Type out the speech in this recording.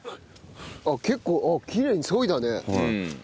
あっ結構きれいにそいだね。